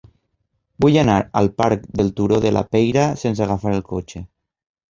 Vull anar al parc del Turó de la Peira sense agafar el cotxe.